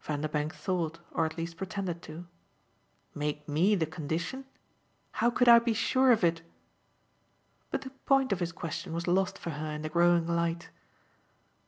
Vanderbank thought or at least pretended to. "Make ME the condition? How could I be sure of it?" But the point of his question was lost for her in the growing light.